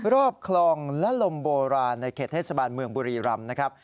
รอบคลองและลมโบราณในเขตเทศบาลเมืองบุรีรำนะครับ